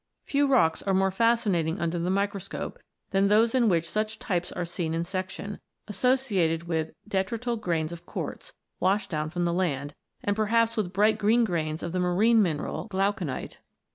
Few rocks are more fascinating under the microscope than those in which such types are seen in section, associated with detrital grains of quartz, washed down from the land, and perhaps with bright green grains of the marine mineral, glauconite.